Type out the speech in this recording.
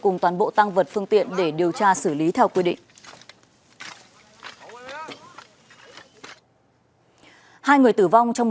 cùng toàn bộ tăng vật phương tiện để điều tra xử lý theo quy định